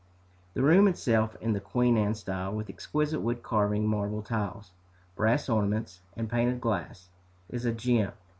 The room itself in the Queen Anne style, with exquisite wood carving, marble tiles, brass ornaments, and painted glass, is a gem.